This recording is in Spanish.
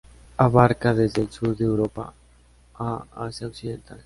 Abarca desde el sur de Europa a Asia occidental.